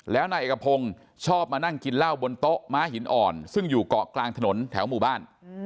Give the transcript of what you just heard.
แล้วนายเอกพงศ์ชอบมานั่งกินเหล้าบนโต๊ะม้าหินอ่อนซึ่งอยู่เกาะกลางถนนแถวหมู่บ้าน